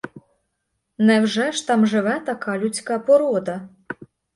Невже ж там живе така людська порода?